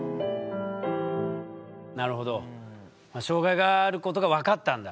なるほど障害があることが分かったんだ。